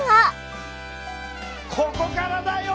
ここからだよ